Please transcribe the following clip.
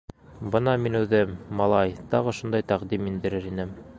— Бына мин үҙем, малай, тағы шундай тәҡдим индерер инем...